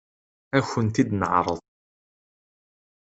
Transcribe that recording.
Ad kent-id-neɛṛeḍ.